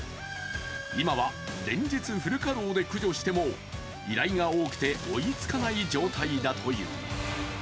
今は連日、フル稼働で駆除しても依頼が多くて追いつかない状態だという。